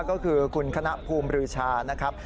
ก็คือคุณคณะภูมิบรือชานะครับ